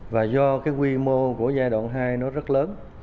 và do cái quy mô của giai đoạn hai nó rất lớn